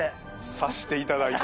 察していただいて。